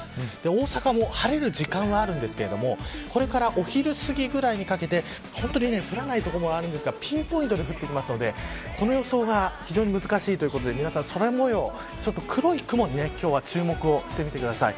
大阪も晴れる時間はありますがこれからお昼すぎくらいにかけて降らない所もあるんですがピンポイントで降ってきますのでこの予想が非常に難しいということで空もよう黒い雲に注目をしてみてください。